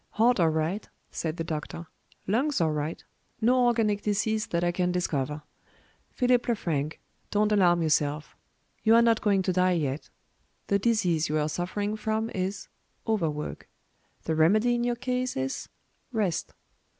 "HEART all right," said the doctor. "Lungs all right. No organic disease that I can discover. Philip Lefrank, don't alarm yourself. You are not going to die yet. The disease you are suffering from is overwork. The remedy in your case is rest."